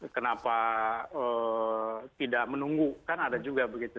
kenapa tidak menunggu kan ada juga begitu